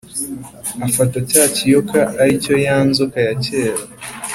Afata cya kiyoka, ari cyo ya nzoka ya kera,